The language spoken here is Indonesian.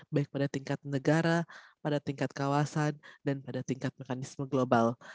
baik pada tingkat negara pada tingkat kawasan dan pada tingkat mekanisme global